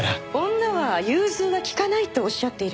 女は融通が利かないとおっしゃっているんですか？